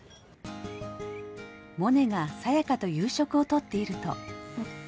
モネがサヤカと夕食をとっていると。